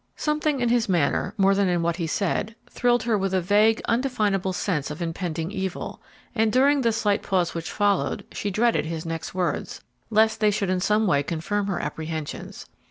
Something in his manner, more than in what he said, thrilled her with a vague, undefinable sense of impending evil, and, during the slight pause which followed, she dreaded his next words, lest they should in some way confirm her apprehensions.